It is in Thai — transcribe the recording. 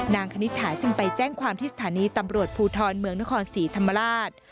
คณิตถาจึงไปแจ้งความที่สถานีตำรวจภูทรเมืองนครศรีธรรมราช